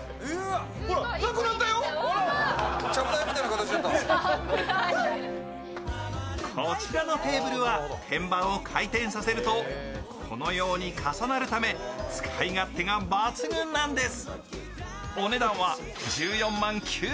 更にこちらのテーブルは天板を回転させるとこのように重なるため、使い勝手が抜群なんです。